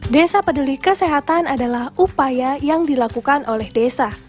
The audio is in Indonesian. desa peduli kesehatan adalah upaya yang dilakukan oleh desa